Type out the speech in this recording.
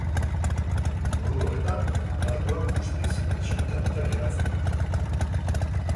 Modu horretan, aparatua guztiz ezkutatuta geratzen da.